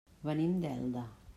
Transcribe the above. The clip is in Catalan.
Venim d'Elda.